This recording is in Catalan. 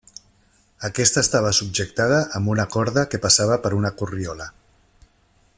Aquesta estava subjectada amb una corda que passava per una corriola.